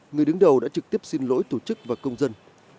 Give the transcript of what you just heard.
người đứng đầu đã trực tiếp xin lỗi tổ chức và công dân